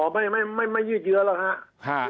ไม่ยืดเยอะแล้วครับ